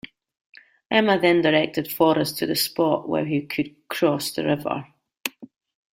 Emma then directed Forrest to the spot where he could cross the river.